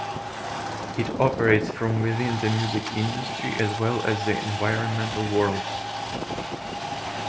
It operates from within the music industry as well as the environmental world.